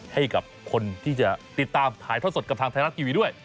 ให้กับคนที่จะติดตามถ่ายทอดสดกับทางไทยรัฐทีวีด้วย